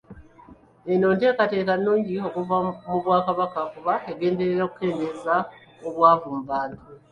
Eno nteekateeka nnungi okuva mu Bwakabaka kuba egenderera kukendeeza bwavu mu bantu.